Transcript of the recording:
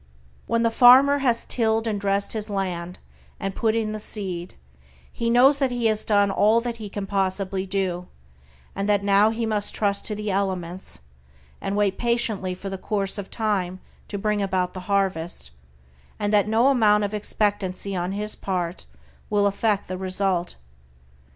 When the farmer has tilled and dressed his land and put in the seed, he knows that he has done all that he can possibly do, and that now he must trust to the elements, and wait patiently for the course of time to bring about the harvest, and that no amount of expectancy on his part will affect the result.